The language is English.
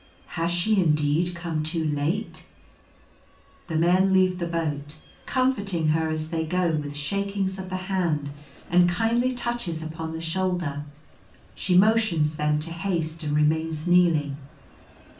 Has she indeed come too late ? The men leave the boat, comforting her as they go with shakings of the hand and kindly touches upon the shoulder. She motions them to haste and remains kneeling.